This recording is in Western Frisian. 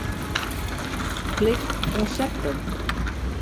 Klik Konsepten.